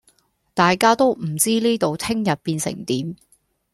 大家都唔知呢度聽日變成點